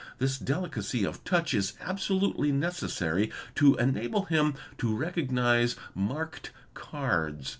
This delicacy of touch is absolutely neces . sary to enable him to recognise marked cards.